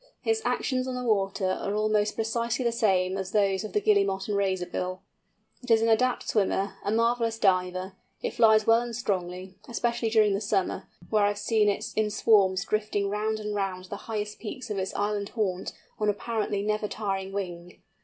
Its actions on the water are almost precisely the same as those of the Guillemot and Razorbill. It is an adept swimmer, a marvellous diver; it flies well and strongly, especially during the summer, where I have seen it in swarms, drifting round and round the highest peaks of its island haunt on apparently never tiring wing.